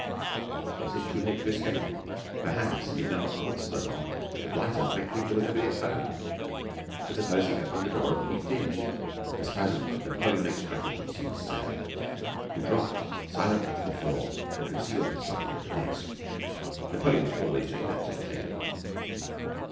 Was it too late to escape? Perhaps if he did not answer the knock, the blighter might think there was nobody at home. But suppose he opened the door and peeped in? A spasm of Napoleonic strategy seized Sam. He dropped silently to the floor and concealed himself under the desk. Napoleon was always doing that sort of thing.